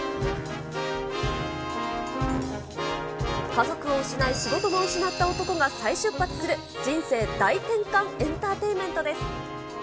家族を失い、仕事も失った男が再出発する人生大転換エンターテインメントです。